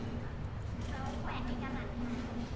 แล้วก็แหวนกันอ่ะ